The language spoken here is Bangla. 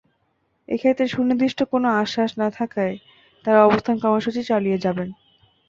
এ ক্ষেত্রে সুনির্দিষ্ট কোনো আশ্বাস না থাকায় তাঁরা অবস্থান কর্মসূচি চালিয়ে যাবেন।